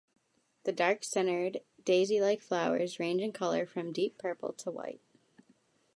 The dark-centered daisy-like flowers range in color from deep purple to white.